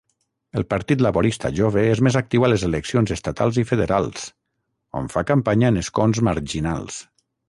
El Partit Laborista Jove és més actiu a les eleccions estatals i federals, on fa campanya en escons marginals.